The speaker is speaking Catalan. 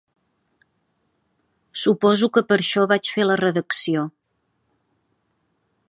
Suposo que per això vaig fer la redacció.